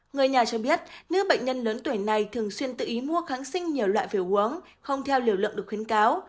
người nhà cho biết nữ bệnh nhân lớn tuổi này thường xuyên tự ý mua kháng sinh nhiều loại phải uống không theo liều lượng được khuyến cáo